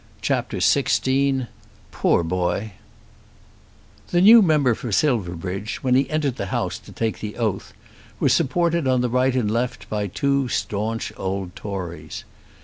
CHAPTER XVI "Poor Boy" The new member for Silverbridge, when he entered the House to take the oath, was supported on the right and left by two staunch old Tories.